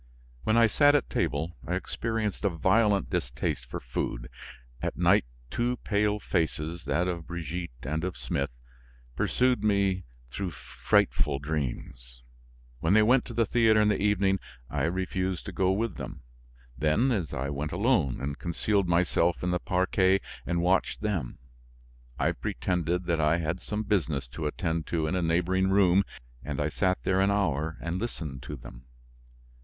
When I sat at table, I experienced a violent distaste for food; at night two pale faces, that of Brigitte and of Smith, pursued me through frightful dreams. When they went to the theater in the evening, I refused to go with them; then, I went alone and concealed myself in the parquet and watched them. I pretended that I had some business to attend to in a neighboring room and I sat there an hour and listened to them.